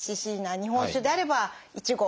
日本酒であれば１合。